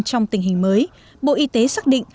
trong tình hình mới bộ y tế xác định